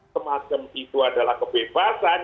semacam itu adalah kebebasan